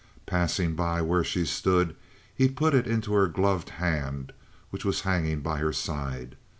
Passing by where she stood, he put it into her gloved hand, which was hanging by her side.